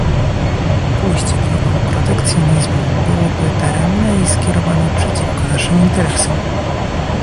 Pójście drogą protekcjonizmu byłoby daremne i skierowane przeciwko naszym interesom